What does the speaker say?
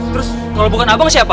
terus kalau bukan abang siapa